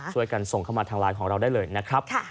ช่วยกันส่งเข้ามาทางไลน์ของเราได้เลยนะครับ